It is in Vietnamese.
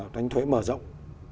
đánh thuế mở rộng